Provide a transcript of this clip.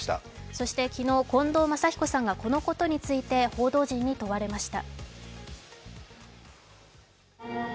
そして昨日近藤真彦さんがこのことについて報道陣に問われました。